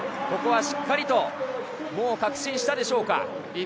ここはしっかりと確信したでしょうか。